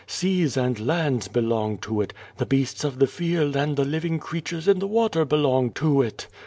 Seas and lands belong to it, the beast.s of the field and the living creatures in the water belong to it.